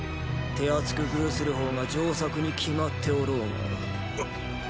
手厚く遇する方が上策に決まっておろうが。っ！